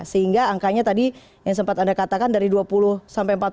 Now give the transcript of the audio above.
sehingga angkanya tadi yang sempat anda katakan dari dua puluh sampai empat puluh